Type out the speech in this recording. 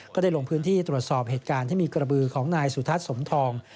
ก็ได้ลงพื้นที่ตรวจสอบเหตุการณ์ที่มีกระบือของนายสุทัศน์สมทอง